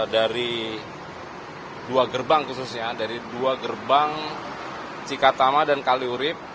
dari dua gerbang khususnya dari dua gerbang cikatama dan kaliurip